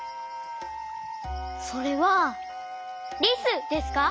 それはリスですか？